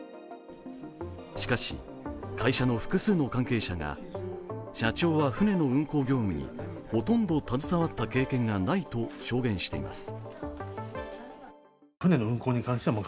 しかし、会社の複数の関係者が、社長は船の運航業務にほとんど携わったことがないと証言しています。